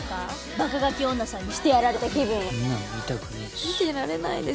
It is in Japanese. バカガキ女さんにしてやられた気分はこんなん見たくねぇし見てられないです